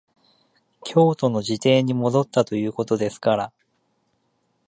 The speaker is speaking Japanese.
京都の自邸に戻ったということですから、